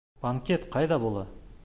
Банкет ҡайҙа була?